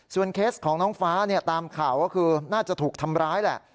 เคสของน้องฟ้าตามข่าวก็คือน่าจะถูกทำร้ายแหละ